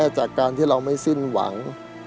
จากการที่เราไม่สิ้นหวัง